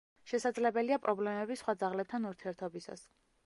შესაძლებელია პრობლემები სხვა ძაღლებთან ურთიერთობისას.